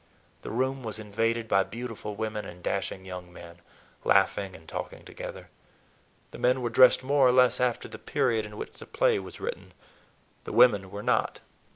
The room was invaded by beautiful women and dashing young men, laughing and talking together. The men were dressed more or less after the period in which the play was written; the women were not.